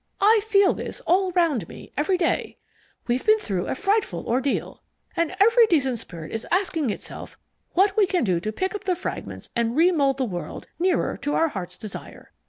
I feel this all round me, every day. We've been through a frightful ordeal, and every decent spirit is asking itself what we can do to pick up the fragments and remould the world nearer to our heart's desire.